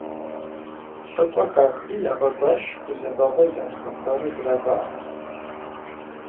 ЛӀыкӀуэ хахри ягъэкӀуащ гузэвэгъуэ зэрыхэхуар жрагъэӀэну.